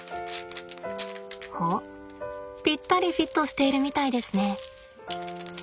おっぴったりフィットしているみたいですね。